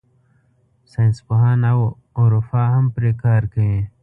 ساینسپوهان او عرفا هم پرې کار کوي.